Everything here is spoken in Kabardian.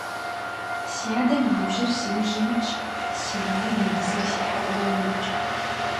Си адэм и ныбжьыр си ужьым итщ, си анэм и гызри си тхьэкӏумэм имыкӏ.